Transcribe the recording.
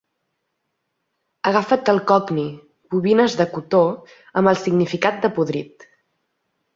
Agafat del cockney, "bobines de cotó " amb el significat de podrit.